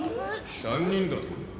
３人だと？